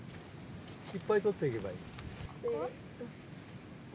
・いっぱいとっていけばいい。